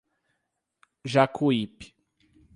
Jacuípe